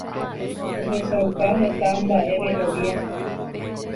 ohechauka heta mba'ererovia